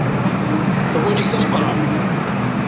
Awal-ik d ameqqran.